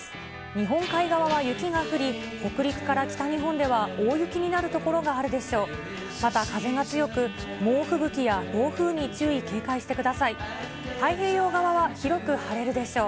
日本海側は雪が降り、北陸から北日本では大雪になる所があるでしょう。